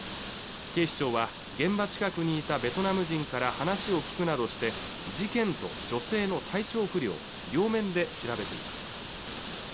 警視庁は現場近くにいたベトナム人から話を聴くなどして事件と女性の体調不良両面で調べています